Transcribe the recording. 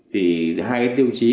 thì hai cái tiêu chí